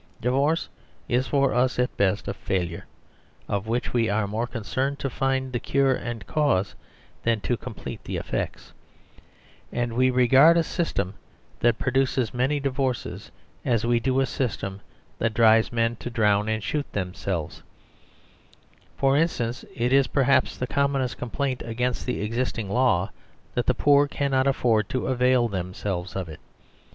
Divorce is for us at best a failure, of which we are more concerned to find and cure the cause than to complete the effects ; and we regard a system that produces many divorces as we do a sys The Superstition of Divorce 88 I ■ .1 ■■ II .■■ II ..11. .. I II. I I I r» tcm that drives men to drown and shoot them selves. For instance, it is perhaps the com monest complaint against the existing law that the poor cannot afford to avail themselves of it.